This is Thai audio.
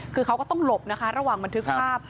คือเขาก็ต้องหลบนะคะระหว่างบันทึกภาพ